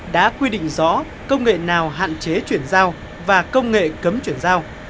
đã quy định rõ công nghệ nào hạn chế chuyển giao và công nghệ cấm chuyển giao